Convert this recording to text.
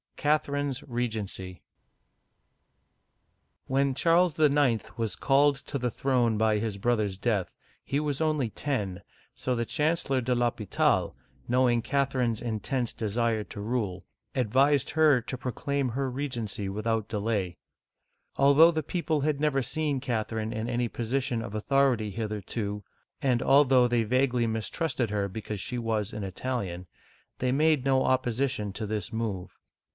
CATHERINE'S REGENCY WHEN Charles IX. was called to the throne by his brother's death, he was only ten, so the Chancellor deL'Hopital, knowing Catherine's intense desire to rule, ad vised her to proclaim her regency without delay. Although the people had never seen Catherine in any position of authority hitherto, and although they vaguely mistrusted her because she was an Italian, they made no opposition to this move.